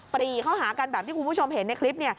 ปรีเข้าหากันแบบที่คุณผู้ชมเห็นในคลิป